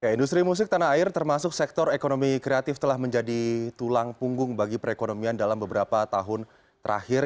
industri musik tanah air termasuk sektor ekonomi kreatif telah menjadi tulang punggung bagi perekonomian dalam beberapa tahun terakhir